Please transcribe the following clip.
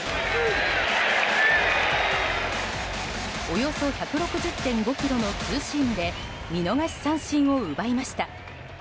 およそ１６０．５キロのツーシームで見逃し三振を奪いました。